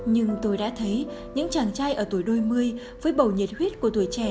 nhưng tôi đã thấy những chàng trai ở tuổi đôi mươi với bầu nhiệt huyết của tuổi trẻ